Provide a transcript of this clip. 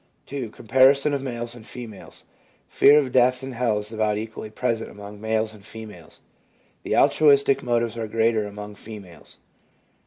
2. Comparison of Males and Females. — Fear of death and hell is about equally present among males and females. The altruistic motives are greater among females.